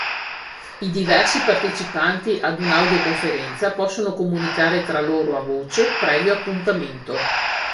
I diversi partecipanti ad un'audioconferenza possono comunicare tra loro a voce, previo appuntamento.